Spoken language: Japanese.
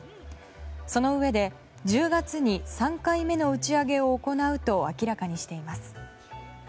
そのうえで、１０月に３回目の打ち上げを行うと明らかにしています。